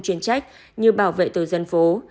chuyên trách như bảo vệ tổ dân phố